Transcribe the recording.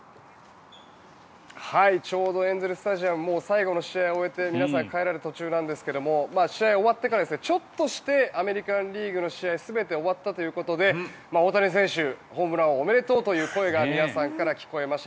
ちょうどエンゼル・スタジアム最後の試合を終えて皆さん、帰られる途中なんですが試合終わってからちょっとしてアメリカン・リーグの試合が全て終わったということで大谷選手、ホームラン王おめでとうという声が皆さんから聞かれました。